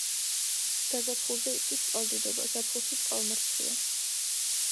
გაზაფხულზე იცის წყალდიდობა, ზაფხულში წყალმარჩხია.